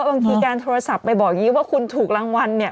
บางทีการโทรศัพท์ไปบอกอย่างนี้ว่าคุณถูกรางวัลเนี่ย